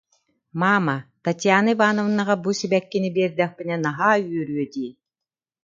Маама, Татьяна Ивановнаҕа бу сибэккини биэрдэхпинэ наһаа үөрүө дии